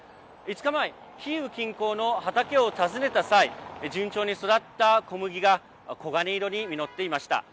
５日前キーウ近郊の畑を訪ねた際順調に育った小麦が黄金色に実っていました。